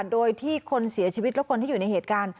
โดยที่คนเสียชีวิตและคนที่อยู่ในเหตุการณ์